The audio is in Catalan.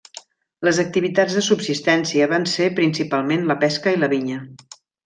Les activitats de subsistència van ser principalment la pesca i la vinya.